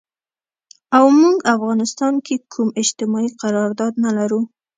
او مونږ افغانستان کې کوم اجتماعي قرارداد نه لرو